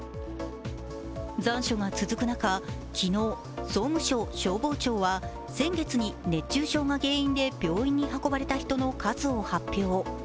残暑が続く中、昨日、総務省消防庁は先月に熱中症が原因で病院に運ばれた人の数を発表。